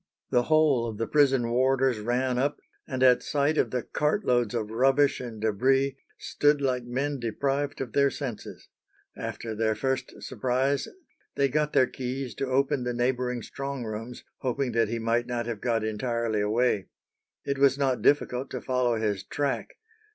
The whole of the prison warders ran up, and at sight of the cart loads of rubbish and débris "stood like men deprived of their senses." After their first surprise they got their keys to open the neighbouring strong rooms, hoping that he might not have got entirely away. It was not difficult to follow his track.